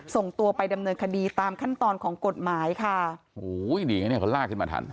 ส่งตัวไปดำเนินคดีตามขั้นตอนของกฎหมายค่ะโอ้โหหนีไงเนี่ยเขาลากขึ้นมาทัน